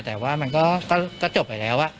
แต่ว่ามันก็จบไปแล้ว